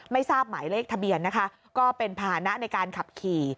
ไม่ทราบหมายเลขทะเบียนนะคะก็เป็นภาษณะในการขับขี่